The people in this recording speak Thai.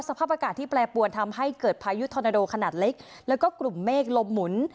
สภาพอากาศที่แปรปวนทำให้เกิดพายุธอนาโดขนาดเล็กแล้วก็กลุ่มเมฆลมหมุน